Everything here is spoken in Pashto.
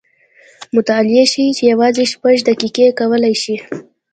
مطالعې ښیې چې یوازې شپږ دقیقې کولی شي